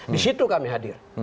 disitu kami hadir